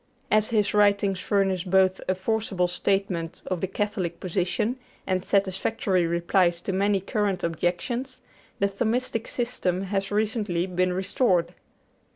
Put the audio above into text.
As his writings furnish both a forcible statement of the Catholic position and satisfactory replies to many current objections, the Thomistic system has recently been restored.